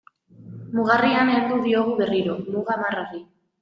Mugarrian heldu diogu berriro muga marrari.